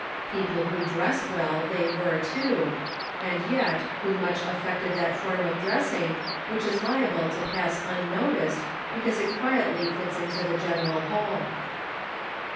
People who dressed well they were, too, and yet who much affected that form of dressing which is liable to pass unnoticed, because it quietly fits into the general whole.